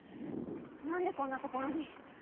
なんでこんな所に？